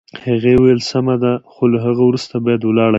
هغې وویل: سمه ده، خو له هغه وروسته باید ولاړه شم.